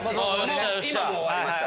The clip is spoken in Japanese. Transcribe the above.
今もう終わりました。